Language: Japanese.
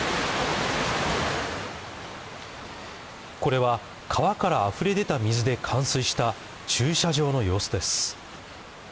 これは、川からあふれ出た水で冠水した、駐車場の様子です。